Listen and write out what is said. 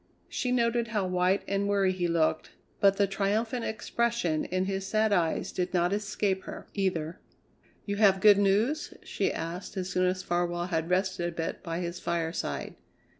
She noted how white and weary he looked, but the triumphant expression in his sad eyes did not escape her, either. "You have good news?" she asked as soon as Farwell had rested a bit by his fireside.